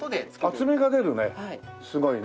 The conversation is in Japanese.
厚みが出るねすごいね。